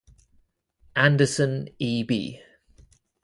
Andersen, E. B.